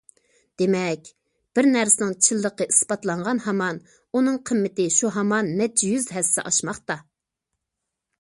دېمەك، بىر نەرسىنىڭ چىنلىقى ئىسپاتلانغان ھامان ئۇنىڭ قىممىتى شۇ ھامان نەچچە يۈز ھەسسە ئاشماقتا.